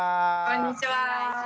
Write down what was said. こんにちは。